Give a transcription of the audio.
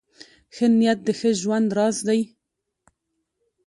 ښه نیت د ښه ژوند راز دی .